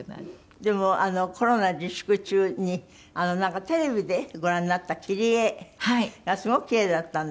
でもコロナ自粛中になんかテレビでご覧になった切り絵がすごくキレイだったんで。